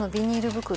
袋